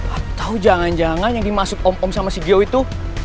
aku tau jangan jangan yang dimaksud om om sama si gio itu